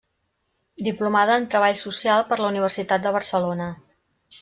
Diplomada en treball social per la Universitat de Barcelona.